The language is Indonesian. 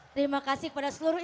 terima kasih kepada seluruh